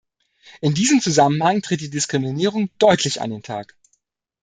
In diesem Zusammenhang tritt die Diskriminierung deutlich an den Tag.